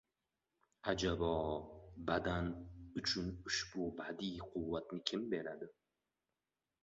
Ajabo, badan uchun ushbu badiiy quvvatni kim beradi?